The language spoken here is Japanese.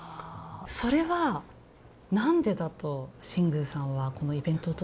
それは何でだと新宮さんはこのイベントを通して思われましたか？